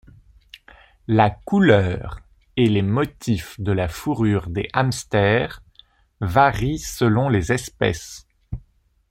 La couleur et les motifs de la fourrure des hamsters varient selon les espèces.